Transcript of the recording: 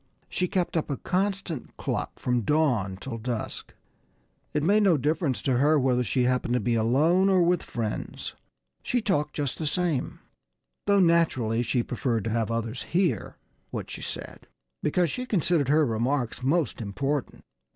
She kept up a constant cluck from dawn till dusk. It made no difference to her whether she happened to be alone, or with friends. She talked just the same though naturally she preferred to have others hear what she said, because she considered her remarks most important.